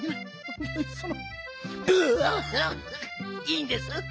いいんです。